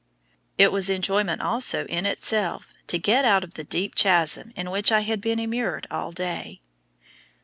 It was enjoyment also in itself to get out of the deep chasm in which I had been immured all day.